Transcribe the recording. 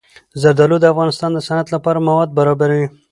زردالو د افغانستان د صنعت لپاره مواد برابروي.